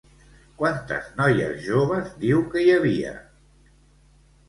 Quantes noies joves diu que hi havia?